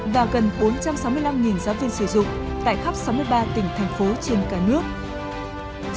và gần bốn trăm sáu mươi năm giáo viên sử dụng tại khắp sáu mươi ba tỉnh thành phố trên cả nước